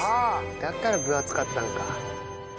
だから分厚かったのか。